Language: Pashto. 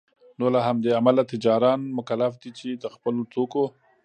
نوله همدې امله تجاران مکلف دی چي دخپلو توکو